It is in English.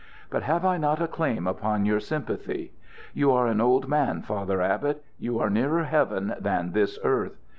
But have I not a claim upon your sympathy? You are an old man, Father Abbot. You are nearer heaven than this earth.